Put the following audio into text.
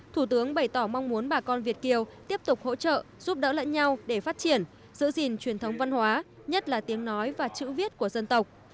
thủ tướng bày tỏ mong muốn bà con việt kiều tiếp tục hỗ trợ giúp đỡ lẫn nhau để phát triển giữ gìn truyền thống văn hóa nhất là tiếng nói và chữ viết của dân tộc